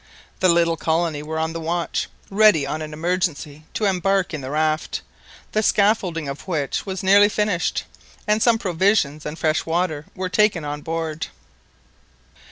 The little colony were on the watch, ready on an emergency to embark in the raft, the scaffolding of which was nearly finished, and some provisions and fresh water were taken on board.